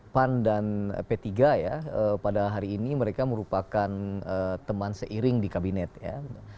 pan dan p tiga ya pada hari ini mereka merupakan teman seiring di kabinet ya